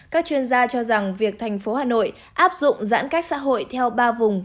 các chuyên gia cho rằng việc thành phố hà nội áp dụng giãn cách xã hội theo ba vùng